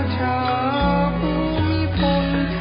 ทรงเป็นน้ำของเรา